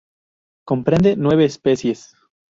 Comprende nueve especies.